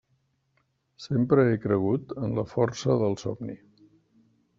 Sempre he cregut en la força del somni.